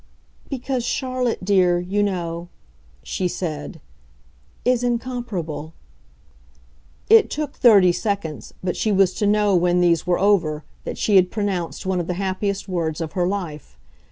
"Because Charlotte, dear, you know," she said, "is incomparable." It took thirty seconds, but she was to know when these were over that she had pronounced one of the happiest words of her life.